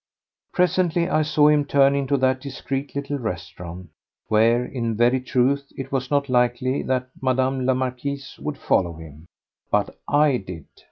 Presently I saw him turn into that discreet little restaurant, where, in very truth, it was not likely that Mme. la Marquise would follow him. But I did.